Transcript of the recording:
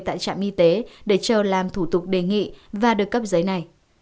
tại trạm y tế để chờ làm thủ tục đề nghị và được cấp giấy này